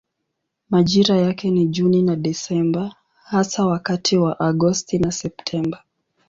Majira yake ni Juni na Desemba hasa wakati wa Agosti na Septemba.